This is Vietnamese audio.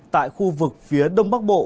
tại khu vực phía đông bắc bộ